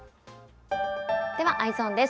では、Ｅｙｅｓｏｎです。